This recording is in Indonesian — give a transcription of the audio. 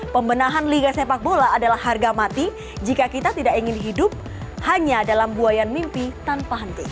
pembenahan liga sepak bola adalah harga mati jika kita tidak ingin hidup hanya dalam buayan mimpi tanpa henti